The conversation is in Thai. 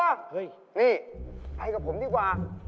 เฮ้ยนี่ไปกับผมดีกว่า